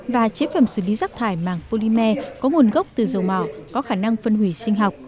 và chế phẩm xử lý rác thải màng polymer có nguồn gốc từ dầu mỏ có khả năng phân hủy sinh học